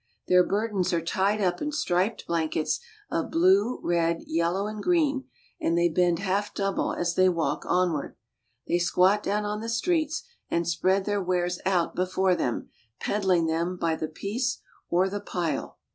Their burdens are tied up in striped blankets of blue, red, yellow, and green, and they bend half double as they walk onward. They squat down on the streets and spread their wares out before them, peddling them by the piece or the pile. 90 BOLIVIA.